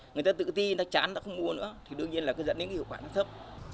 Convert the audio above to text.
người ta tự ti người ta chán người ta không mua nữa thì đương nhiên là dẫn đến hiệu quả nó thấp